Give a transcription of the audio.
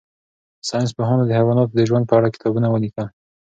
ساینس پوهانو د حیواناتو د ژوند په اړه کتابونه ولیکل.